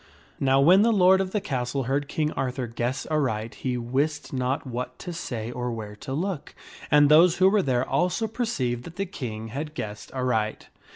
Now when the lord of the castle heard King Arthur guess aright he wist not what to say or. where to look, and those who were there also per ceived that the King had guessed aright.